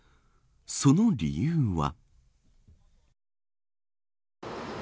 その理由は。